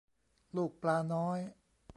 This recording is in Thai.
ลูกปลาน้อย